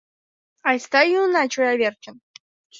Айста йӱына чоя верчын!